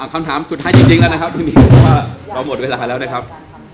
คำถามสุดท้ายจริงแล้วนะครับพี่หมีเพราะว่าเราหมดเวลาแล้วนะครับ